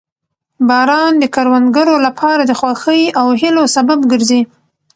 باران د کروندګرو لپاره د خوښۍ او هیلو سبب ګرځي